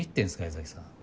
柄崎さん。